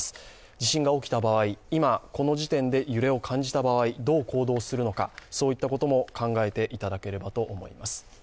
地震が起きた場合、今、この時点で揺れを感じた場合、どう行動するのかそういったことも考えていただければと思います。